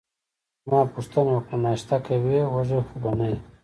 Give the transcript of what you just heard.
ما پوښتنه وکړه: ناشته کوې، وږې خو به نه یې؟